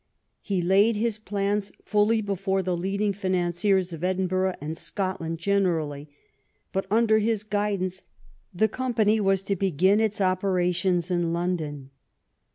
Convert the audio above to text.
He laid his plans fully before the leading financiers of Edinburgh and Scotland gen erally, but under his guidance the company was to begin its operations in London.